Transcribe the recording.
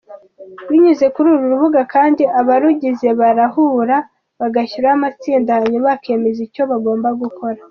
Binyuze kuri uru rubuga kandi abarugize barahura bagashyiraho amatsinda hanyuma bakemeza icyo bagomba gukora.